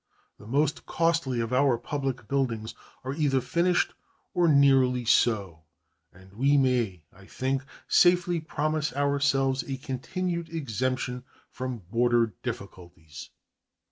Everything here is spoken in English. The most costly of our public buildings are either finished or nearly so, and we may, I think, safely promise ourselves a continued exemption from border difficulties.